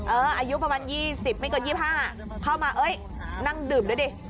เอออายุประมาณยี่สิบไม่กว่ายี่ห้าอ่ะเข้ามาเอ้ยนั่งดื่มด้วยดิ